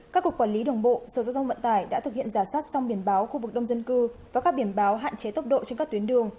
các cục quản lý đường bộ sở giao thông vận tải đã thực hiện giả soát xong biển báo khu vực đông dân cư và các biển báo hạn chế tốc độ trên các tuyến đường